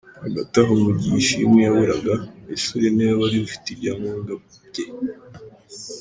Hagati aho mu gihe Ishimwe yaburaga, Esule niwe wari ufite ibyangombwa bye.